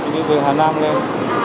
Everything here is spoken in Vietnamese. tôi đi từ hà nam lên